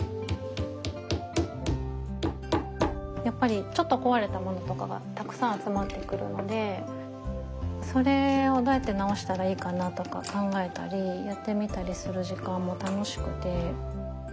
やっぱりちょっと壊れたものとかがたくさん集まってくるのでそれをどうやって直したらいいかなとか考えたりやってみたりする時間も楽しくて。